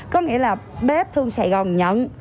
có nghĩa là bếp thương sài gòn nhận